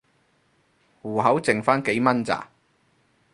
戶口剩番幾蚊咋